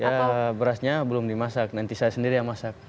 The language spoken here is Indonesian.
ya berasnya belum dimasak nanti saya sendiri yang masak